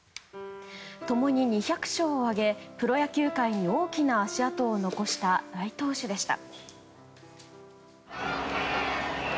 共に２００勝を挙げプロ野球界に大きな足跡を残した大投手でした。